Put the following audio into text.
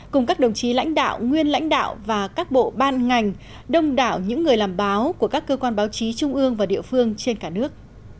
cùng các đồng chí lãnh đạo nguyên lãnh đạo và các bộ ban ngành đông đảo những người làm báo của các cơ quan báo chí trung ương và địa phương trên cả nước